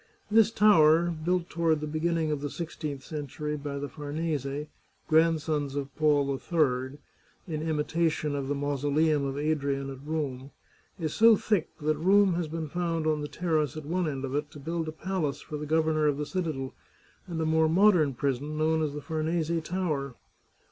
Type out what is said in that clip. This tower, built toward the beginning of the sixteenth century by the Famese, grandsons of Paul III, in imitation of the Mauso leum of Adrian at Rome, is so thick that room has been found on the terrace at one end of it, to build a palace for the governor of the citadel, and a more modern prison, known as the Farnese Tower.